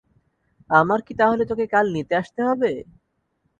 আমার কি তাহলে তোকে কাল নিতে আসতে হবে?